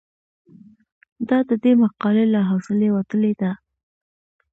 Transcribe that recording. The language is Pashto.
دا د دې مقالې له حوصلې وتلې ده.